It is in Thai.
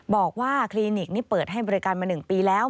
บอกว่าคลินิกเปิดให้บริการมา๑ปีแล้ว